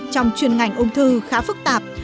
trong chuyên ngành ông thư khá phức tạp